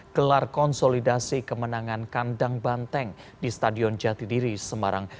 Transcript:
gelar konsolidasi kemenangan kandang banteng di stadion jatidiri semarang